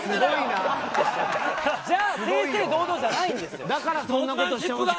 じゃあ正々堂々じゃないですよ。